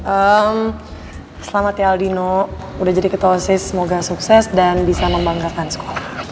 ehm selamat ya aldino udah jadi ketua osis semoga sukses dan bisa membanggakan sekolah